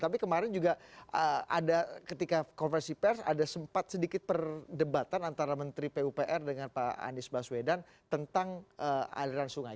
tapi kemarin juga ada ketika konversi pers ada sempat sedikit perdebatan antara menteri pupr dengan pak anies baswedan tentang aliran sungai